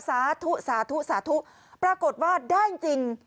สาธุปรากฏว่าได้จริง